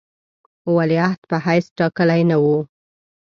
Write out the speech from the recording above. ولیعهد په حیث ټاکلی نه وو.